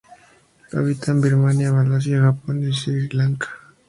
Habita en Birmania, Malasia, Japón y Sri Lanka.